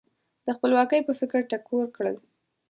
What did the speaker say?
د خپلواکۍ په فکر ټکور کړل.